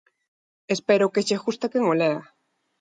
Espero que lle guste a quen o lea.